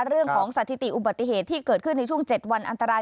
เรื่องของสถิติอุบัติเหตุที่เกิดขึ้นในช่วง๗วันอันตราย